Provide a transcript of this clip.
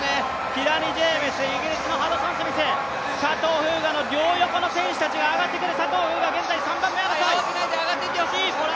キラニ・ジェームス、ハドソンスミス、佐藤風雅の両横の選手たちが上がってくる。